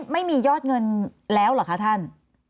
ไม่มียอดเงินแล้วเหรอคะท่าน